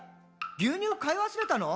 牛乳買い忘れたの？」